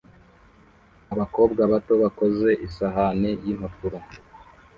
abakobwa bato bakoze isahani yimpapuro